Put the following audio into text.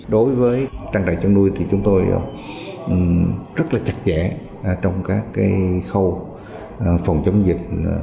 đối với trang trại chăn nuôi thì chúng tôi rất là chặt chẽ trong các khâu phòng chống dịch